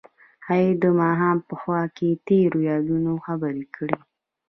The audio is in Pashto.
هغوی د ماښام په خوا کې تیرو یادونو خبرې کړې.